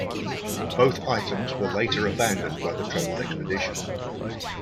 Both items were later abandoned by the troubled expedition.